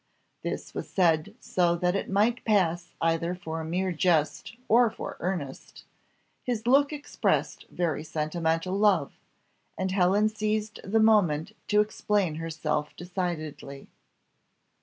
This was said so that it might pass either for mere jest or for earnest; his look expressed very sentimental love, and Helen seized the moment to explain herself decidedly.